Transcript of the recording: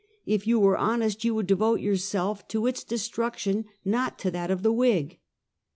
If you were honest, you would devote your self to its destruction, not to that of the Whig."